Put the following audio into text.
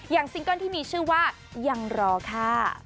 ซิงเกิ้ลที่มีชื่อว่ายังรอค่ะ